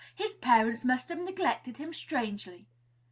"His parents must have neglected him strangely."